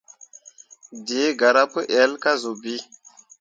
Dǝǝ garah pu ell kah zun bii.